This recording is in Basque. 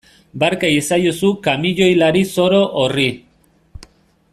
Barka iezaiozu kamioilari zoro horri.